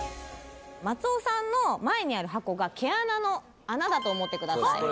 松尾さんの前にある箱が毛穴の穴だと思ってください